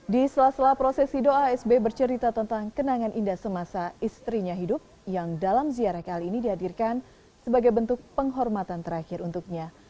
di sela sela prosesi doa sby bercerita tentang kenangan indah semasa istrinya hidup yang dalam ziarah kali ini dihadirkan sebagai bentuk penghormatan terakhir untuknya